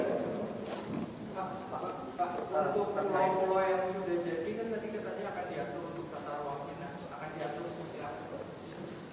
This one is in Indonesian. pak lalu untuk perubahan pulau yang sudah jadi ini tadi katanya akan diatur untuk kata ruang kina akan diatur untuk kutipan